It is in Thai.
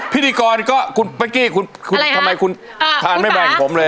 พิธีกรก็คุณเป๊กกี้คุณทำไมคุณทานไม่แบนผมเลย